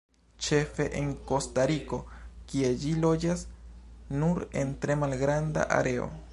Ĉefe en Kostariko, kie ĝi loĝas nur en tre malgranda areo.